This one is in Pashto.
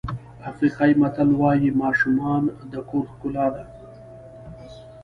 افریقایي متل وایي ماشومان د کور ښکلا ده.